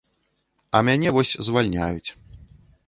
А мяне вось звальняюць.